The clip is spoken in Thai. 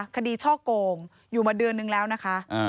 ช่อโกงอยู่มาเดือนนึงแล้วนะคะ